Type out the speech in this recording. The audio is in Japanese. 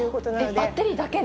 バッテリーだけで？